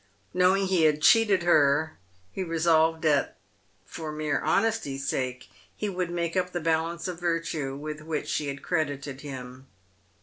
Knowing he had cheated her, he resolved that, for mere honesty's sake, he would make up the balance of virtue with which she had credited him.